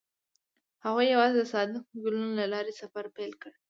هغوی یوځای د صادق ګلونه له لارې سفر پیل کړ.